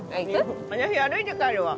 私歩いて帰るわ。